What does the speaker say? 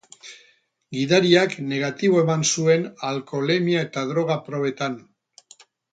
Gidariak negatibo eman zuen alkoholemia eta droga probetan.